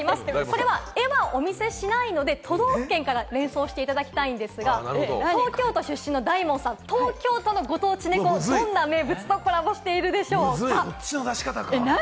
これは絵を見せないので、都道府県から想像していただきたいんですが、東京都出身の大門さん、東京都の名物、何とコラボしているんでし何